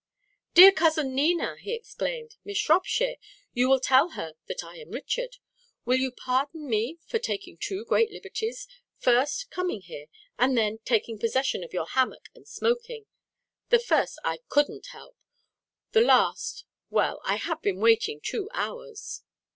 "Dear Cousin Nina!" he exclaimed. "Miss Shropshire, you will tell her that I am Richard? Will you pardon me for taking two great liberties, first, coming here, and then, taking possession of your hammock and smoking? The first I couldn't help. The last well, I have been waiting two hours."